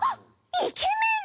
イケメン！